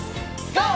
ＧＯ！